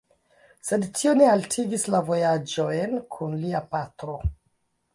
Sed tio ne haltigis la vojaĝojn kun lia patro.